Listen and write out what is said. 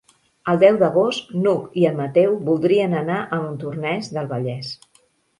El deu d'agost n'Hug i en Mateu voldrien anar a Montornès del Vallès.